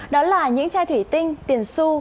đó là những chai thủy tinh tiền su